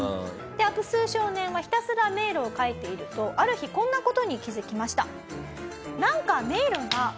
アプスー少年はひたすら迷路を描いているとある日こんな事に気づきました。